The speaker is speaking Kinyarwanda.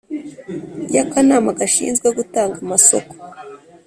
Y akanama gashinzwe gutanga amasoko